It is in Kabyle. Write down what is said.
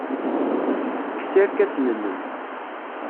Kkes irkasen-nnem.